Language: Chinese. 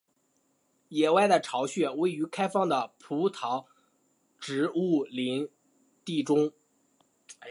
野外的巢穴位于开放的匍匐植物林地中。